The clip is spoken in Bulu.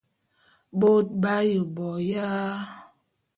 Bôt b'aye bo aya?